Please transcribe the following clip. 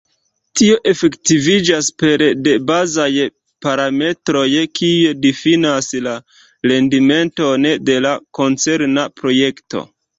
Tio efektiviĝas pere de bazaj parametroj, kiuj difinas la rendimenton de la koncerna projekto.